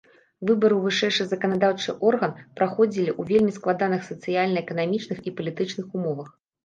Выбары ў вышэйшы заканадаўчы орган праходзілі ў вельмі складаных сацыяльна-эканамічных і палітычных умовах.